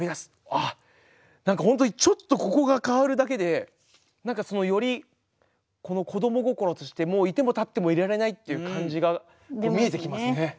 あっ何か本当にちょっとここが変わるだけで何かより子ども心としてもういてもたってもいられないっていう感じが見えてきますね。